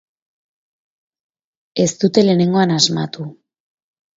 Ez dute lehenengoan asmatu.